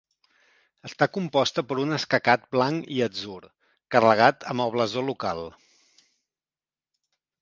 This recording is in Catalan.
Està composta per un escacat blanc i atzur, carregat amb el blasó local.